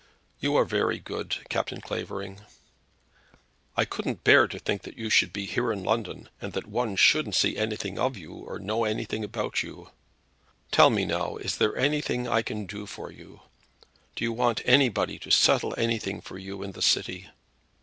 "You are very good, Captain Clavering." "I couldn't bear to think that you should be here in London, and that one shouldn't see anything of you or know anything about you. Tell me now; is there anything I can do for you? Do you want anybody to settle anything for you in the city?"